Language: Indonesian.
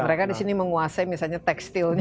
mereka di sini menguasai misalnya tekstilnya